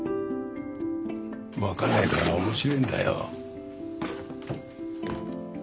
分からねえから面白えんだよ。